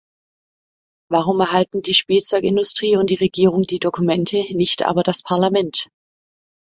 Warum erhalten die Spielzeugindustrie und die Regierungen die Dokumente, nicht aber das Parlament?